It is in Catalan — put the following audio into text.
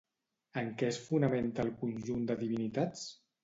En què es fonamenta el conjunt de divinitats?